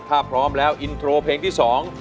ถ้าพร้อมแล้วอินโทรเพลงที่สอง